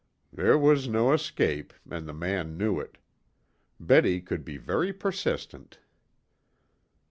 There was no escape, and the man knew it. Betty could be very persistent.